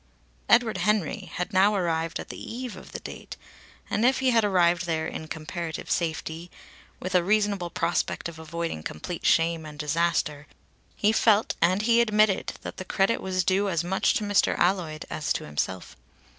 Edward Henry had now arrived at the eve of the date, and if he had arrived there in comparative safety, with a reasonable prospect of avoiding complete shame and disaster, he felt and he admitted that the credit was due as much to Mr. Alloyd as to himself.